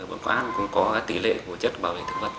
ở quán cũng có tỷ lệ của chất bảo vệ thực vật